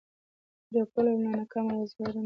رپول یې له ناکامه وزرونه